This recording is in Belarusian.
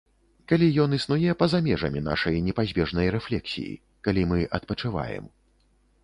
Калі ён існуе па-за межамі нашай непазбежнай рэфлексіі, калі мы адпачываем.